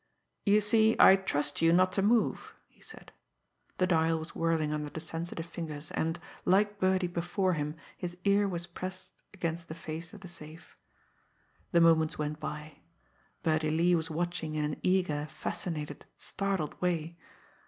"You see, I trust you not to move," he said. The dial was whirling under the sensitive fingers, and, like Birdie before him, his ear was pressed against the face of the safe. The moments went by. Birdie Lee was watching in an eager, fascinated, startled way.